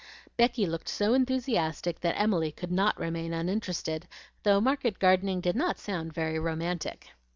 Becky looked so enthusiastic that Emily could not remain uninterested, though market gardening did not sound very romantic.